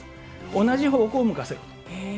同じ方向向かせろと。